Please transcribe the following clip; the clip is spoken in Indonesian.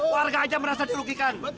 warga aja merasa dirugikan